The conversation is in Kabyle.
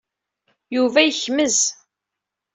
Yuba yekmez.